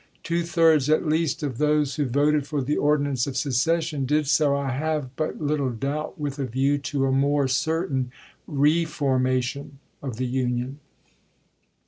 " Two thirds at least of those who voted for the ordinance of secession did so, I have but little doubt, with a view to a more certain re formation of the Union."